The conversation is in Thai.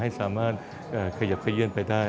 ให้สามารถขยับขยื่นไปได้